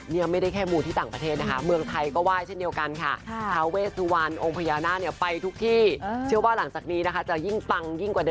นี่เนื้อไม่แค่บูร์ดที่อังกฤษนะคะ